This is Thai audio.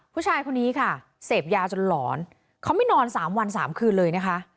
ผู้ชายคนนี้ค่ะเสพยาจนหลอนเขาไม่นอน๓วัน๓คืนเลยนะคะ